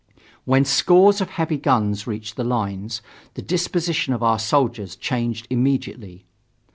When scores of heavy guns reached the lines, the disposition of our soldiers changed immediately.